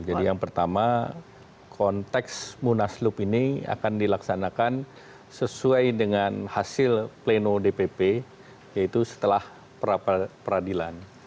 jadi yang pertama konteks munaslup ini akan dilaksanakan sesuai dengan hasil pleno dpp yaitu setelah peradilan